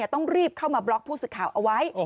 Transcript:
ต้องรีบเข้ามาบล็อกผู้สื่อข่าวเอาไว้